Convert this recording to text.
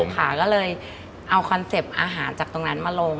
ค่ะก็เลยเอาคอนเซ็ปต์อาหารจากตรงนั้นมาลง